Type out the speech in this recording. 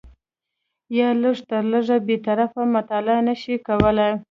یا لږ تر لږه بې طرفه مطالعه نه شي کولای